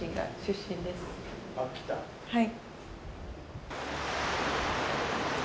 はい。